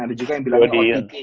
ada juga yang bilang di